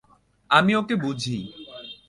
আমি ওকে বুঝি।